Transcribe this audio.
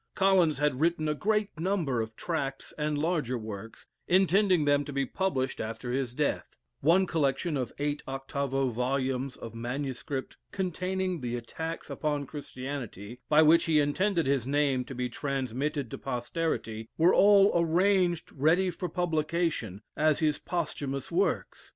Collins had written a great number of tracts and larger works, intending them to be published after his death: one collection of eight octavo volumes of manuscript containing the attacks upon Christianity, by which he intended his name to be transmitted to posterity, were all arranged ready for publication as his posthumous works.